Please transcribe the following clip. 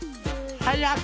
はい。